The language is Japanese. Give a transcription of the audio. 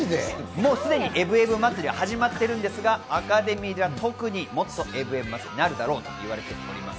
すでにエブエブ祭りは始まっているんですがアカデミーでは特に、もっとエブエブ祭りになるだろうと言われています。